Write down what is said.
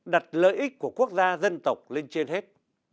đặt lợi ích của quốc gia dân tộc lên trên hết